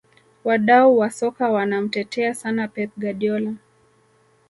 wadau wa soka wanamtetea sana pep guardiola